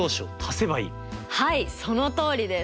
はいそのとおりです！